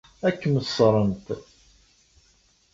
Ad kem-ṣṣrent.